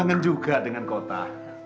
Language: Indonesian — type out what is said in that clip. kangen juga dengan kota